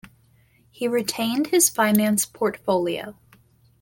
He retained his finance portfolio.